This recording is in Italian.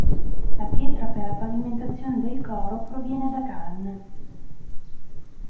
La pietra per la pavimentazione del coro proviene da Cannes.